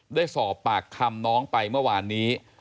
ได้สอบปากคำน้องไปเมื่อวานนี้